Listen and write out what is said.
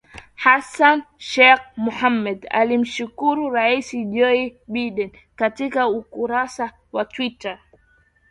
Hassan Sheikh Mohamud alimshukuru Rais Joe Biden katika ukurasa wa Twitter